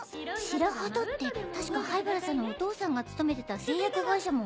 白鳩って確か灰原さんのお父さんが勤めてた製薬会社も。